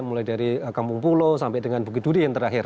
mulai dari kampung pulau sampai dengan bukit duri yang terakhir